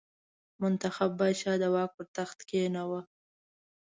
منتخب پاچا د واک پر تخت کېناوه.